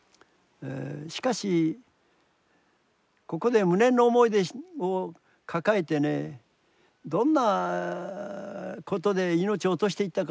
しかしここで無念の思いを抱えてねどんなことで命を落としていったか。